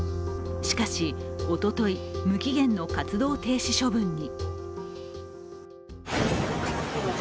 しかし、おととい無期限の活動停止処分に。